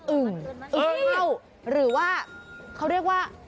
ึ่งอึ่งเข้าหรือว่าเขาเรียกว่า